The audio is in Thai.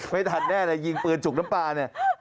ไม่ทันแน่เลยยิงปืนจุกน้ำปลาเนี่ย